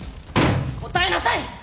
答えなさい！